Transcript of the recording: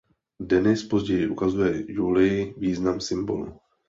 Dennis později ukazuje Julii význam symbolu.